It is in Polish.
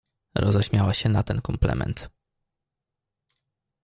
"Roześmiała się na ten komplement."